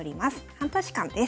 半年間です。